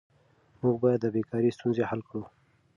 موږ باید د بیکارۍ ستونزه حل کړو.